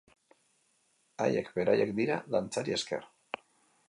Haiek beraiek dira dantzari esker.